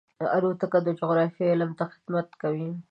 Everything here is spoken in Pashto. الوتکه د جغرافیې علم ته خدمت کوي.